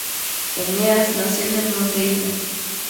Eneas nació en el monte Ida.